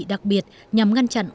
đặc biệt nhằm ngăn chặn